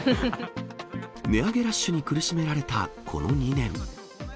値上げラッシュに苦しめられたこの２年。